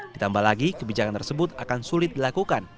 ditambah lagi kebijakan tersebut akan sulit dilakukan